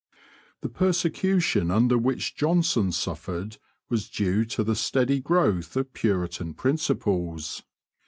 The persecution under which Jonson suffered was due to the steady growth of Puritan principles.